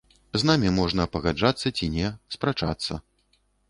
З намі можна пагаджацца ці не, спрачацца.